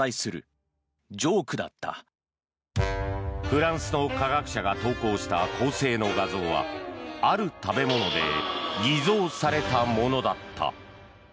フランスの科学者が投稿した恒星の画像はある食べ物で偽造されたものだった。